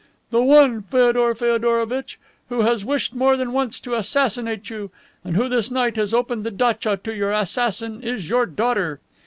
"The one, Feodor Feodorovitch, who has wished more than once to assassinate you, and who this night has opened the datcha to your assassin is your daughter."